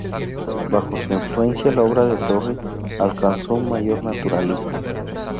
Bajo su influencia, la obra de Torri alcanzó un mayor naturalismo.